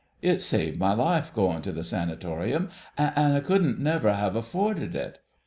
It saved my life, goin' to the Sanatorium, an' I couldn't never have afforded it...."